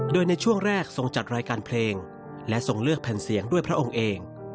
โดยในช่วงแรกทรงจัดรายการเพลงและทรงเลือกแผ่นเสียงด้วยพระองค์เอง